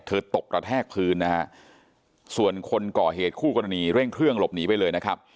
ตกกระแทกพื้นนะฮะส่วนคนก่อเหตุคู่กรณีเร่งเครื่องหลบหนีไปเลยนะครับ